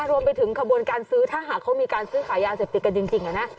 รวมไปถึงขบวนการซื้อถ้าหากเขามีการซื้อขายยาเสพติดกันจริงนะ